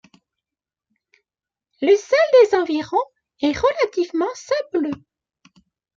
Le sol des environs est relativement sableux.